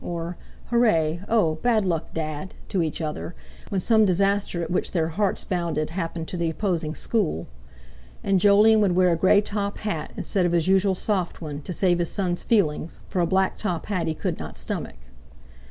or "Hooray! Oh! bad luck, Dad!" to each other, when some disaster at which their hearts bounded happened to the opposing school. And Jolyon would wear a grey top hat, instead of his usual soft one, to save his son's feelings, for a black top hat he could not stomach.